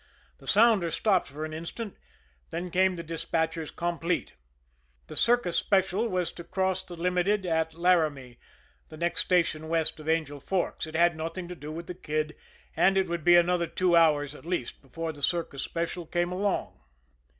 The sounder stopped for an instant, then came the dispatcher's "complete" the Circus Special was to cross the Limited at L'Aramie, the next station west of Angel Forks. It had nothing to do with the Kid, and it would be another two hours at least before the Circus Special was along.